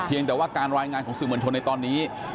ยังแต่ว่าการรายงานของสื่อมวลชนในตอนนี้